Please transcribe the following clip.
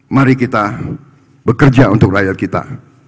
mari kita bekerja untuk rakyat kita